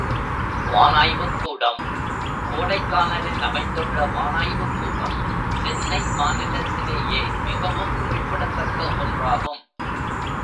வானாய்வுக்கூடம் கோடைக்கானலில் அமைந்துள்ள வானாய்வுக் கூடம் சென்னை மாநிலத்திலேயே மிகவும் குறிப்பிடத் தக்க ஒன்றாகும்.